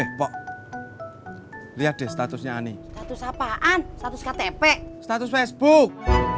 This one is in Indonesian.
eh pak lihat deh statusnya ani status apaan status ktp status facebook